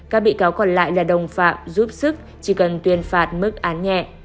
các bị cáo còn lại là đồng phạm giúp sức chỉ cần tuyên phạt mức án nhẹ